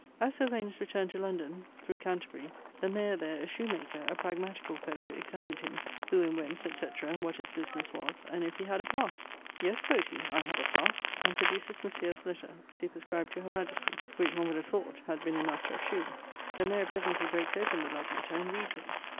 As Sylvanus returned to London, through Canterbury, the mayer there (a shoemaker), a pragmaticall fellow, examined him, who and whence, etc. and what his business was, and if he had a passe? 'Yes,' quod he, 'I have a passe,' and produces Monsieur's letter, superscribed to her majestie, which, one would have thought, had been enough to have shewen. The mayor presently breakes open the love letter, and reades it.